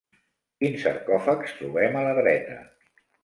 Quins sarcòfags trobem a la dreta?